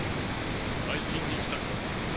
回診に来たんだが。